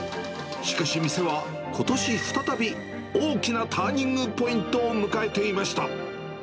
しかし、店はことし、再び大きなターニングポイントを迎えていました。